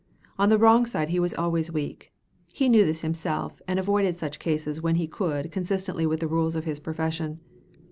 On the wrong side he was always weak. He knew this himself, and avoided such cases when he could consistently with the rules of his profession.